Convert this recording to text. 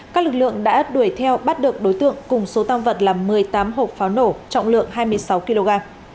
các lực lượng đã đuổi theo bắt được đối tượng cùng số tam vật là một mươi tám hộp pháo nổ trọng lượng hai mươi sáu kg